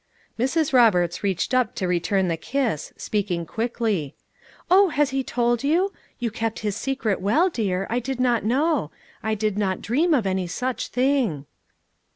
Mrs. Roberts reached up to return the kiss, speaking quickly. "Oh, has he told you? You kept his secret well, dear, I did not know — I did not dream of any such thing."